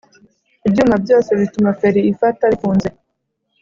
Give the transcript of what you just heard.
Ibyuma byose bituma feri ifata bifunze